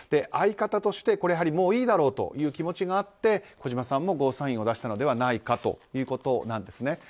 相方としてもういいだろうという気持ちがあって児嶋さんもゴーサインを出したのではないかということなんですね。